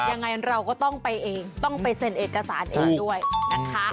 ยังไงเราก็ต้องไปเองต้องไปเซ็นเอกสารเองด้วยนะคะ